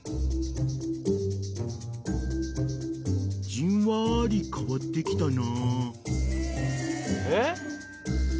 ［じんわり変わってきたな］